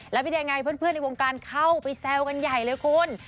แล้วเป็นยังไงเพื่อนในวงการเข้าไปแซวกันใหญ่เลยคุณ